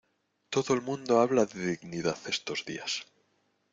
Todo el mundo habla de dignidad, estos días.